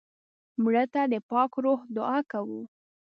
مړه ته د پاک روح دعا کوو